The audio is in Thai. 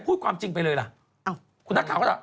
พูดความจริงไปเลยล่ะ